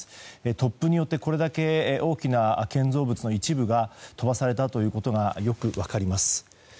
突風によってこれだけ大きな建造物の一部が飛ばされたことがよく分かります。